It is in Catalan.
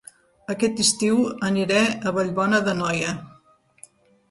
Aquest estiu aniré a Vallbona d'Anoia